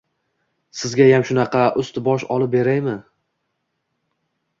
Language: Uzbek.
Sizgayam shunaqa ust-bosh olib beraymi?